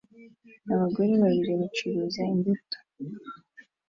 Abagore babiri bacuruza imbuto